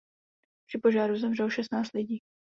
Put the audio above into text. Při požáru zemřelo šestnáct lidí.